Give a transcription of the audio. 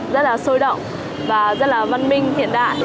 rất là sôi động và rất là văn minh hiện đại